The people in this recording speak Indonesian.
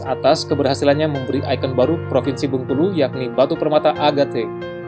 atas keberhasilannya memberi ikon baru provinsi bengkulu yakni batu permata agate